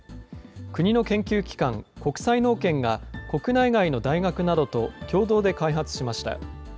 国の研究機関、国際農研が国内外の大学などと共同で開発しました。